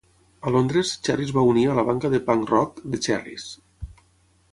A Londres, Cherry es va unir a la banda de punk rock The Cherries.